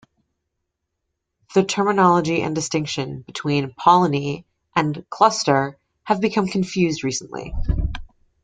The terminology and distinction between 'polony' and 'cluster' have become confused recently.